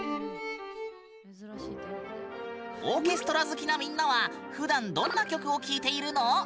オーケストラ好きなみんなはふだんどんな曲を聴いているの？